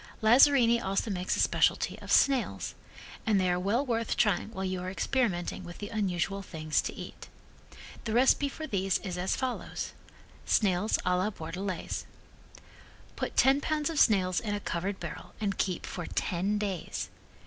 Lazzarini also makes a specialty of snails, and they are well worth trying while you are experimenting with the unusual things to eat. The recipe for these is as follows: Snails a la Bordelaise Put ten pounds of snails in a covered barrel and keep for ten days.